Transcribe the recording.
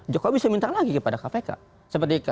jokowi bisa minta lagi kepada kpk